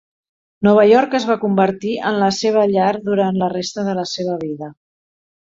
Nova York es va convertir en la seva llar durant la resta de la seva vida.